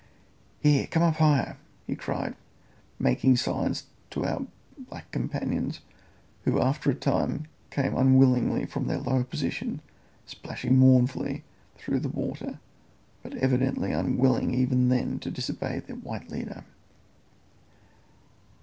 Here, come up higher!" he cried, making signs to our black companions, who after a time came unwillingly from their lower position, splashing mournfully through the water, but evidently unwilling even then to disobey their white leader.